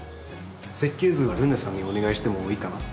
設計図はるねさんにお願いしてもいいかな？